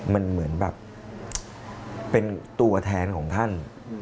มันเหมือนแบบเป็นตัวแทนของท่าน